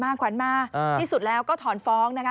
ขวัญมาที่สุดแล้วก็ถอนฟ้องนะคะ